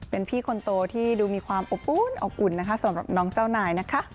เป็นพี่คนโตที่ดูมีความอบอุ่นอบอุ่นนะคะสำหรับน้องเจ้านายนะคะ